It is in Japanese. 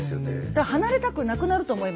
だから離れたくなくなると思います。